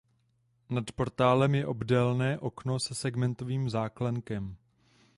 Nad portálem je obdélné okno se segmentovým záklenkem.